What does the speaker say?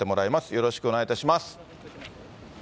よろしくお願いします。